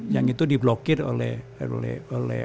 yang itu diblokir oleh